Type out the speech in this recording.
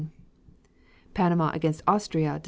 Panama against Austria, Dec.